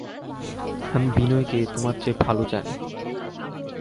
আমি বিনয়কে তোমার চেয়ে ভালো জানি।